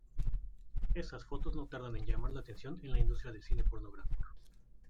Esas fotos no tardan en llamar la atención en la industria del cine pornográfico.